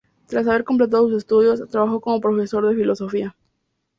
Tras haber completado sus estudios, trabajó como profesor de filosofía.